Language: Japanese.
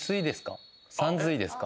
さんずいですか？